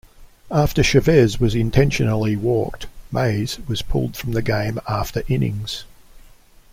After Chavez was intentionally walked, Mays was pulled from the game after innings.